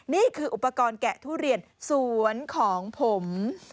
นี่คืออุปกรณ์แกะทุเรียนสวนของผม